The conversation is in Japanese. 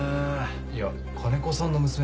いや金子さんの娘